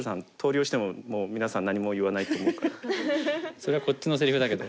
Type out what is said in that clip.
それはこっちのせりふだけど。